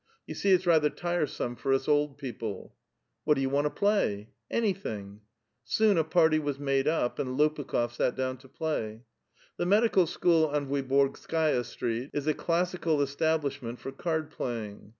You see it's rather tiresome for us old peoi>le !"What do you want to play?" " Anvthinir.*" Soon a part}^ was made up, and Lopukh6f sat down to j)la3'. The medical scliool on Vuiborgskaia Street is a classical establishment for card playing.